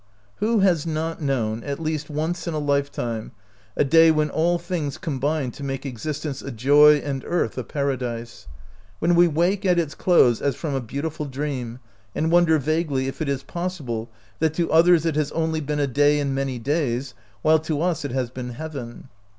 Who has not known, at least once in a lifetime, a day when all things combined to make existence a joy and earth a paradise? — when we wake at its close as from a beau tiful dream, and wonder vaguely if it is possi ble that to others it has only been a day in many days, while to us it has been heaven.